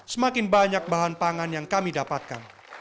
semakin banyak bahan pangan yang kami dapatkan